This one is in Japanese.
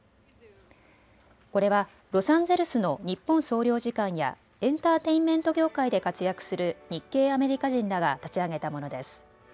これはロサンゼルスの日本総領事館やエンターテインメント業界で活躍する日系アメリカ人らが立ち上げたものです。